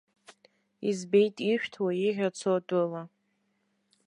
Избеит ишәҭуа, иӷьацо атәыла.